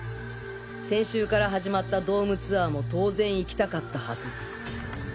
先週から始まったドームツアーも当然行きたかったはず。